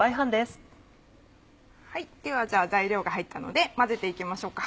では材料が入ったので混ぜていきましょうか。